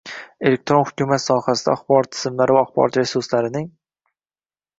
elektron hukumat sohasida axborot tizimlari va axborot resurslarining